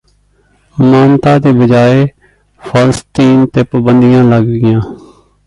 ਮਾਣਤਾ ਦੀ ਬਜਾਏ ਫ਼ਲਸਤੀਨ ਤੇ ਪਬੰਦੀਆਂ ਲੱਗ ਗਈਆਂ